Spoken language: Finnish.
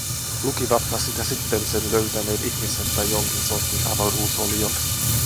Lukivatpa sitä sitten sen löytäneet ihmiset tai jonkin sortin avaruusoliot.